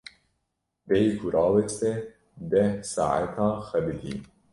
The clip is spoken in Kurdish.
Bêyî ku raweste deh saetan xebitî.